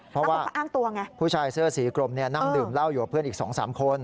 เพราะว่าเขาอ้างตัวไงผู้ชายเสื้อสีกรมนั่งดื่มเหล้าอยู่กับเพื่อนอีก๒๓คน